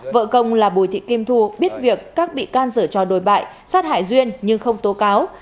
vợ công là bùi thị kim thu biết việc các bị can dở trò đồi bại sát hại duyên nhưng không tố cáo